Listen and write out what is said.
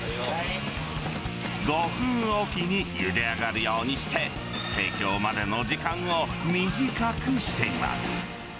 ５分置きにゆで上がるようにして、提供までの時間を短くしています。